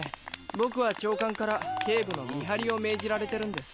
僕は長官から警部の見張りを命じられてるんです。